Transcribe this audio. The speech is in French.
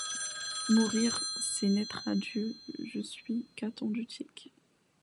Mourir, c’est naître à Dieu. Je suis Caton d’Utique